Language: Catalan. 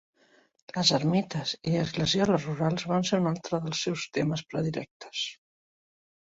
Les ermites i esglesioles rurals van ser un altre dels seus temes predilectes.